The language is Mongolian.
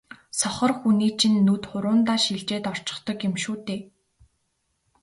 сохор хүний чинь нүд хуруундаа шилжээд орчихдог юм шүү дээ.